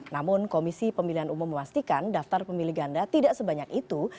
namun komisi pemilihan umum memastikan daftar pemilih ganda tidak sebanyak itu